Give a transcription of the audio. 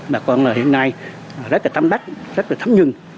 mà còn hiện nay rất là tâm bách rất là thấm nhừng